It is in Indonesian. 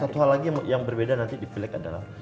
satu hal lagi yang berbeda nanti di pileg adalah